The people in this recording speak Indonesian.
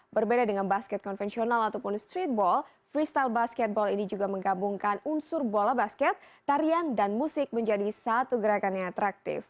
berbeda dengan basket konvensional ataupun streetball freestyle basketball ini juga menggabungkan unsur bola basket tarian dan musik menjadi satu gerakan yang atraktif